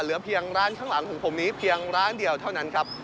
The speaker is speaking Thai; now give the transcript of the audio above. เหลือเพียงร้านข้างหลังของผมนี้เพียงร้านเดียวเท่านั้นครับ